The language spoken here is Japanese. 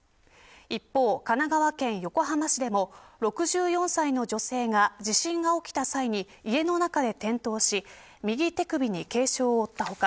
一方、神奈川県横浜市でも６４歳の女性が地震が起きた際に家の中で転倒し右手首に軽傷を負った他